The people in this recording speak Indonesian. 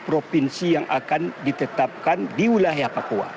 provinsi yang akan ditetapkan di wilayah papua